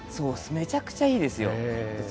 めちゃくちゃいいですよ。